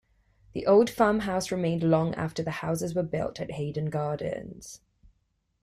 The old farmhouse remained long after the houses were built at Haydon Gardens.